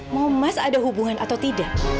mau mas ada hubungan atau tidak